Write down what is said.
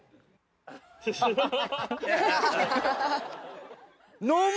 アハハハ。